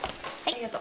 ありがと。